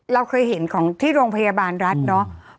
เราเคยเห็นของที่โรงพยาบาลรัฐเนาะ